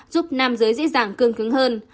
giúp nam giới dưới giảm cương cứng hơn